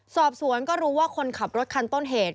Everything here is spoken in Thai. สอบสวนก็รู้ว่าคนขับรถคันต้นเหตุ